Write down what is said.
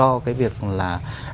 do cái việc là